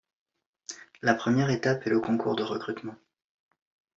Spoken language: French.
La première étape est le concours de recrutement.